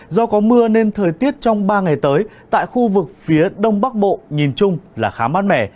do có mưa nên thời tiết trong ba ngày tới tại khu vực phía đông bắc bộ nhìn chung là khá mát mẻ